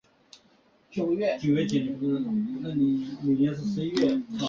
他所创立的阿散蒂王国在后来的时间里发展成为西非的一大强国。